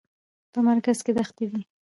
په مرکز کې دښتې دي.